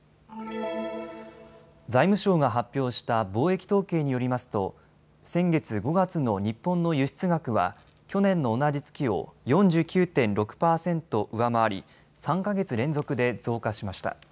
財務省が発表した貿易統計によりますと先月５月の日本の輸出額は去年の同じ月を４９．６％上回り３か月連続で増加しました。